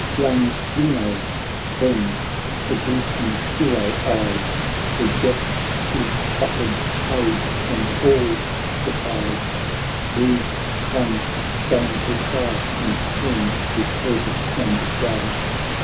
Young Zeno then the Grecian hero eyed, Rejects his offered aid, and all defied, Breathed one disdainful sigh, and turned his head and died.